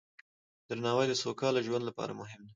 درناوی د سوکاله ژوند لپاره مهم دی.